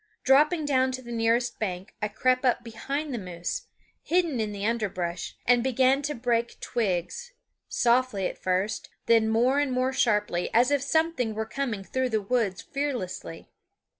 Dropping down to the nearest bank, I crept up behind the moose, hidden in the underbrush, and began to break twigs, softly at first, then more and more sharply, as if something were coming through the woods fearlessly.